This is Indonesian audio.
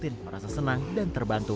merasa senang dan terbantu